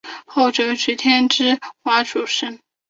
后者娶天之瓮主神。